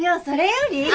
それより。